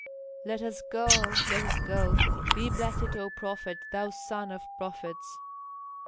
"Let us go! Let us go! Be blessed, O prophet, thou son of prophets!"